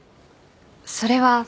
それは。